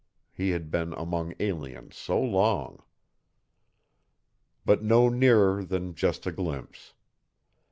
He had been among aliens so long! But no nearer than just a glimpse.